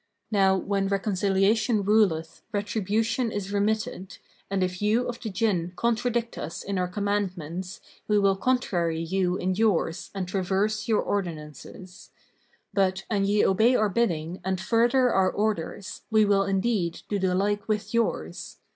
Now, when reconciliation ruleth, retribution is remitted, and if you of the Jinn contradict us in our commandments, we will contrary you in yours and traverse your ordinances; but, an ye obey our bidding and further our orders, we will indeed do the like with yours.